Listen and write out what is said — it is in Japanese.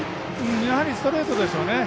やはりストレートですよね。